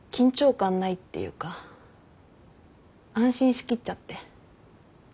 安心しきっちゃって。